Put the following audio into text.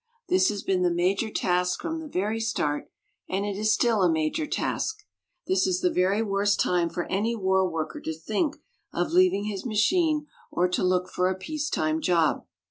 This has been the major task from the very start, and it is still a major task. This is the very worst time for any war worker to think of leaving his machine or to look for a peacetime job.